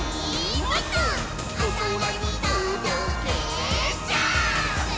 「おそらにとどけジャンプ！！」